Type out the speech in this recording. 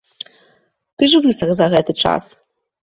Ты ж высах за гэты час.